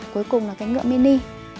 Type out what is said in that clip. cuối cùng là cái ngựa mini